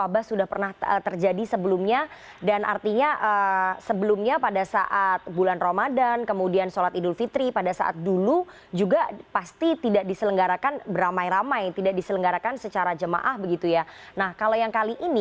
bertemu satu sama lain